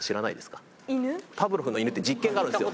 パブロフの犬って実験があるんですよ